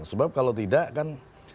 sebab kalau tidak kan